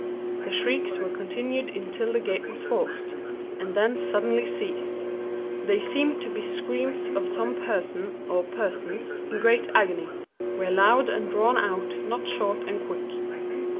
The shrieks were continued until the gate was forced—and then suddenly ceased. They seemed to be screams of some person (or persons) in great agony—were loud and drawn out, not short and quick.